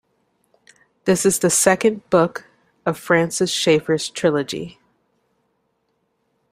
This is the second book of Francis Schaeffer's Trilogy.